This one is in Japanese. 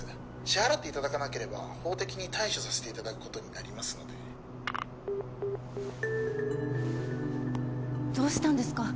☎支払っていただかなければ法的に☎対処させていただくことになりますのでどうしたんですか？